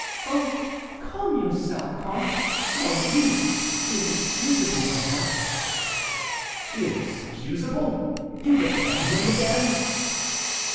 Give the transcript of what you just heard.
"Oh! calm yourself, comte; mon Dieu; he is excusable, perhaps." "He is excusable! you defend him, madame?"